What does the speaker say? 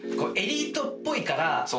エリートっぽいから。